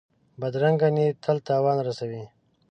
بدرنګه نیت تل تاوان رسوي